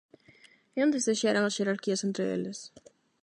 E, onde se xeran as xerarquías entre eles?